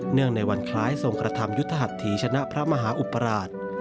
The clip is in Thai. ในวันคล้ายทรงกระทำยุทธหัสถีชนะพระมหาอุปราช